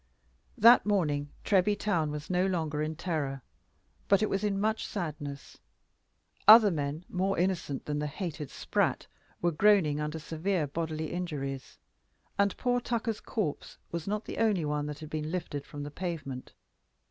That morning Treby town was no longer in terror; but it was in much sadness. Other men, more innocent than the hated Spratt, were groaning under severe bodily injuries. And poor Tucker's corpse was not the only one that had been lifted from the pavement.